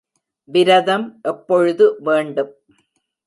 விரதம் எப்பொழுது வேண்டும்!